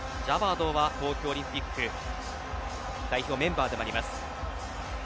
ジャバードは東京オリンピック代表メンバーでもあります。